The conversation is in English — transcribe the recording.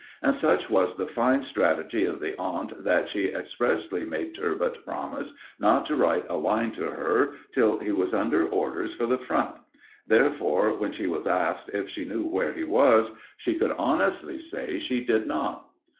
And such was the fine strategy of the aunt that she expressly made "Turbot" promise not to write a line to her till he was under orders for the Front. Therefore, when she was asked if she knew where he was, she could honestly say she didn't.